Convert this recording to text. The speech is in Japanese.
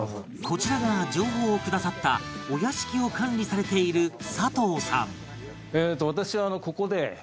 こちらが情報をくださったお屋敷を管理されている佐藤さん